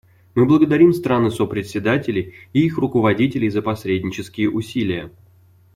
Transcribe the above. Мы благодарим страны-сопредседатели и их руководителей за посреднические усилия.